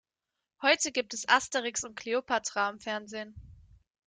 Heute gibt es Asterix und Kleopatra im Fernsehen.